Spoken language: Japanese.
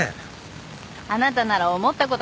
あなたなら思ったこと言えるわ。